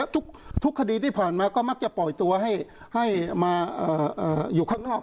ทุกทุกคดีที่ผ่านมาก็มักจะปล่อยตัวให้ให้มาเอ่อเอ่ออยู่ข้างนอก